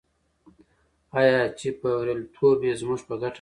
آیا چې بریالیتوب یې زموږ په ګټه نه دی؟